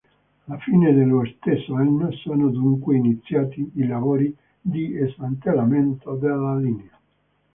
Alla fine dello stesso anno sono dunque iniziati i lavori di smantellamento della linea.